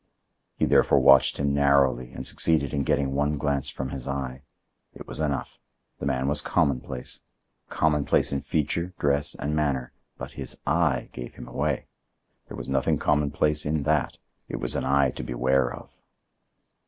He therefore watched him narrowly and succeeded in getting one glance from his eye. It was enough. The man was commonplace,—commonplace in feature, dress and manner, but his eye gave him away. There was nothing commonplace in that. It was an eye to beware of.